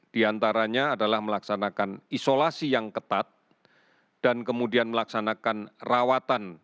di antaranya adalah melaksanakan isolasi yang ketat dan kemudian melaksanakan rawatan